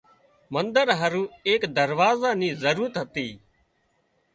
منۮر هارُو ايڪ دروازا نِي ضرورت هتي